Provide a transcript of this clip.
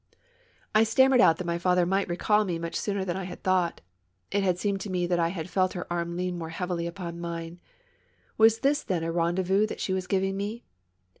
I stammered out that my father might recall me .much sooner than I had thought. It had seemed to me that I had felt her arm lean more heavily upon mine. Was this then a rendezvous that she was giving me?